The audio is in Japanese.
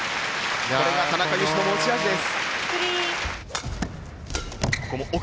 これが田中の持ち味です。